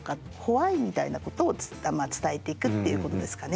ｗｈｙみたいなことを伝えていくっていうことですかね。